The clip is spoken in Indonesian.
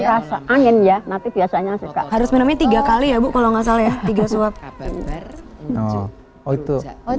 rasa angin ya tapi biasanya harus minumnya tiga kali ya bu kalau nggak salah ya tiga suap itu itu